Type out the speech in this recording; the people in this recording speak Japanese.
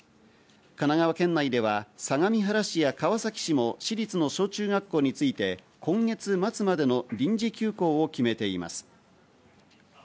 神奈川県内では相模原市や川崎市も市立の小中学校について今月末までの臨時休校を決めています。